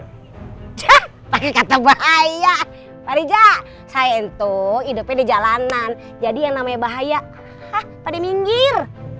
hah pake kata bahaya pak riza saya itu hidupnya di jalanan jadi yang namanya bahaya hah pada minggir